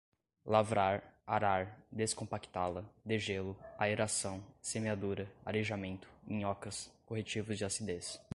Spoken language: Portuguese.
lavrar, arar, descompactá-la, degelo, aeração, semeadura, arejamento, minhocas, corretivos de acidez